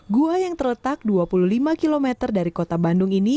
gua yang terletak dua puluh lima km dari kota bandung ini